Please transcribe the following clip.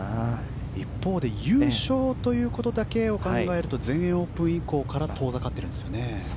一方で優勝ということだけを考えると全英オープン以降から遠ざかっているんですよね。